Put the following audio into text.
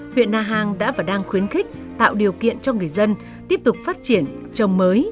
huyện na hàng đã và đang khuyến khích tạo điều kiện cho người dân tiếp tục phát triển trồng mới